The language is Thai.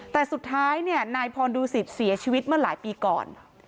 แต่สุดท้ายเนี่ยนายพรดูสิตเสียชีวิตเมื่อหลายปีก่อน